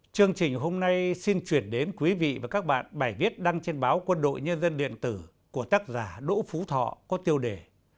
chương trình hôm nay xin chuyển đến quý vị và các bạn bài viết đăng trên báo quân đội nhân dân điện tử của tác giả đỗ phú thọ có tiêu đề